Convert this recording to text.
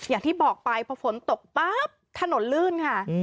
อย่างที่บอกไปพอฝนตกปั๊บถนนลื่นค่ะ